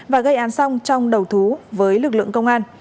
và gây án xong trong đầu thú với lực lượng công an